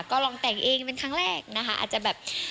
ก็ลองแต่งเองเป็นครั้งแรกนะคะอาจจะแบบ